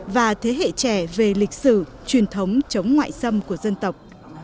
và thế hệ trẻ về lịch sử truyền thống chống ngoại xâm của dân tộc